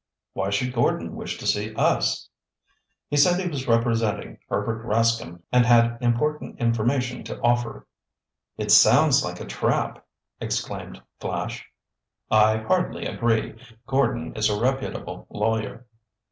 "Why should Gordon wish to see us?" "He said he was representing Herbert Rascomb and had important information to offer." "It sounds like a trap!" exclaimed Flash. "I hardly agree. Gordon is a reputable lawyer."